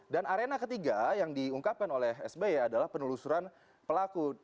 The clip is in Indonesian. dan arena ketiga yang diungkapkan oleh sbi adalah penelusuran pelaku